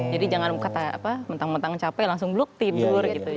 jadi jangan kata apa mentang mentang capek langsung bluk tidur